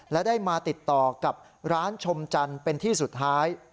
และได้มาติดต่อกับร้านชมจันทร์เป็นที่สุดท้าย